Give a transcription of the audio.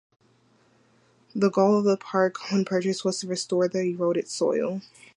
The goal of the park when purchased was to restore the eroded soil.